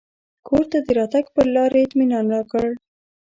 کور ته د راتګ پر لار یې اطمنان راکړ.